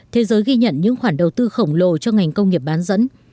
thế giới ghi nhận những khoản đầu tư khổng lồ cho ngành công nghiệp bán dẫn